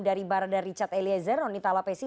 dari barada richard eliezer roni talapesi